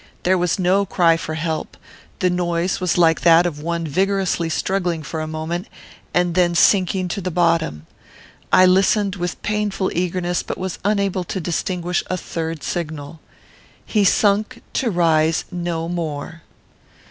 There was no cry for help. The noise was like that of one vigorously struggling for a moment, and then sinking to the bottom. I listened with painful eagerness, but was unable to distinguish a third signal. He sunk to rise no more.